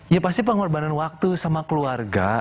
ya pasti pengorbanan waktu sama keluarga